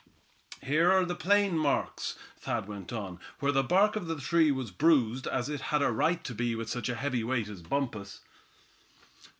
"Here are the plain marks," Thad went on, "where the bark of the tree was bruised, as it had a right to be with such a heavy weight as Bumpus."